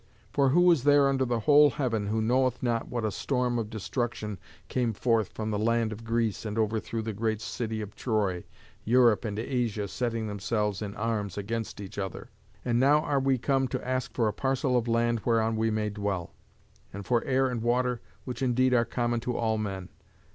For who is there under the whole heaven who knoweth not what a storm of destruction came forth from the land of Greece and overthrew the great city of Troy, Europe and Asia setting themselves in arms against each other? And now are we come to ask for a parcel of land whereon we may dwell; and for air and water, which indeed are common to all men.